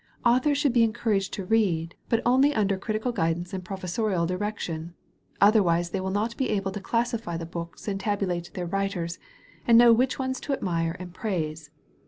Authors should be en couraged to read, but only under critical guidance and professorial direction. Otherwise they will not be able to classify the books, and tabulate their writers, and know which ones to admire and praise.